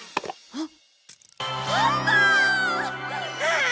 あっ！